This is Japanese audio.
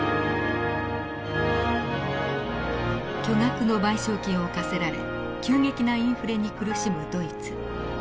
巨額の賠償金を課せられ急激なインフレに苦しむドイツ。